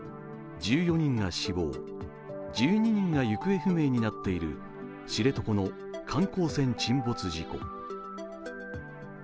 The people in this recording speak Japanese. １４人が死亡１２人が行方不明になっている知床の観光船沈没事故。